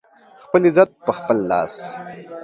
خپل عزت په خپل لاس